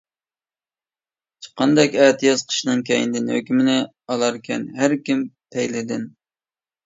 چىققاندەك ئەتىياز قىشنىڭ كەينىدىن، ھۆكمىنى ئالاركەن ھەركىم پەيلىدىن.